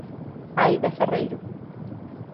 Aida Ferreiro.